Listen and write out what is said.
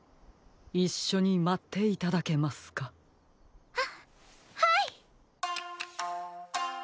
いっしょにまっていただけますか？ははい。